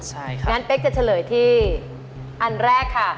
งั้นเป๊กจะเฉลยที่อันแรกค่ะ